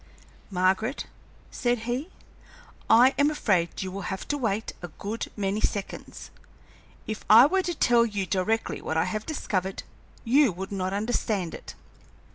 "Margaret," said he, "I am afraid you will have to wait a good many seconds. If I were to tell you directly what I have discovered, you would not understand it.